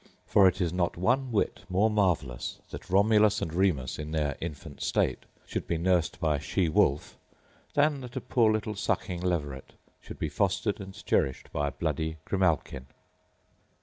For it is not one whit more marvellous that Romulus and Remus, in their infant state, should be nursed by a she wolf, than that a poor little sucking leveret should be fostered and cherished by a bloody grimalkin.